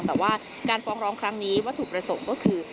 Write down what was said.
แต่ว่าการฟ้องร้องครั้งนี้วัตถุประสงค์ก็คือ